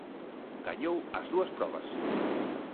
Gañou as dúas probas.